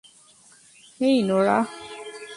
হেই, Norah.